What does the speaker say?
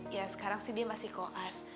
ya sekarang sih dia masih koas